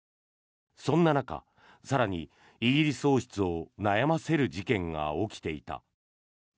そんな中、更にイギリス王室を悩ませる事件が起きていた。